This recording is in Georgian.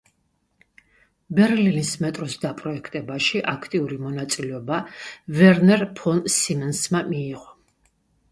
ბერლინის მეტროს დაპროექტებაში აქტიური მონაწილეობა ვერნერ ფონ სიმენსმა მიიღო.